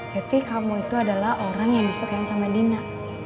berarti kamu itu adalah orang yang disukain sama dina